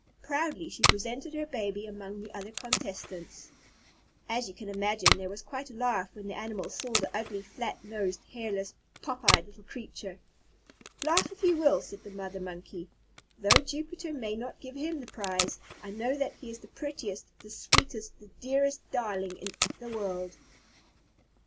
Proudly she presented her baby among the other contestants. As you can imagine, there was quite a laugh when the Animals saw the ugly flat nosed, hairless, pop eyed little creature. "Laugh if you will," said the Mother Monkey. "Though Jupiter may not give him the prize, I know that he is the prettiest, the sweetest, the dearest darling in the world."